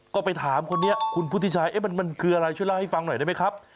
ก็ไปถามคนนี้คุณพุทธิชัยมันคืออะไรช่วยเล่าให้ฟังหน่อยได้ไหมครับ